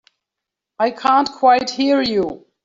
I can't quite hear you.